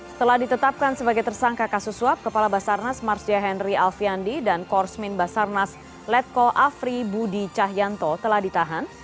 setelah ditetapkan sebagai tersangka kasus suap kepala basarnas marsja henry alfiandi dan korsmin basarnas letko afri budi cahyanto telah ditahan